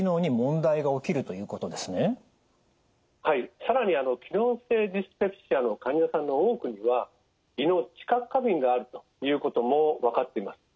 更に機能性ディスペプシアの患者さんの多くには胃の知覚過敏があるということも分かっています。